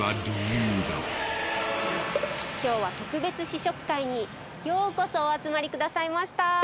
今日は特別試食会にようこそお集まりくださいました。